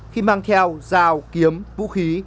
khi mang theo rào kiếm vũ khí